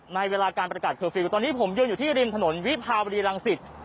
ในเวลาการประกาศเคอร์ฟิลล์ตอนนี้ผมยืนอยู่ที่ริมถนนวิภาวรีรังสิต